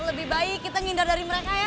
lebih baik kita ngindar dari mereka ya